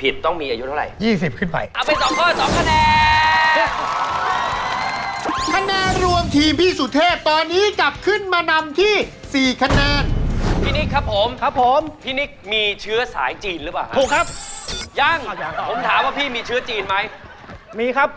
ผิดครับ